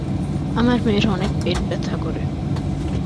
আমার মেয়ের অনেক পেট ব্যথা করে।